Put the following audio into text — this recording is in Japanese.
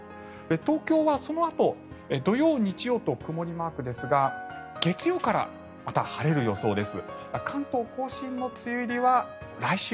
東京はそのあと、土曜日曜と曇りマークですが月曜日からまた晴れる予想です。